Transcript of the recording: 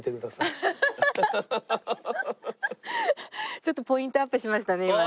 ちょっとポイントアップしましたね今ね。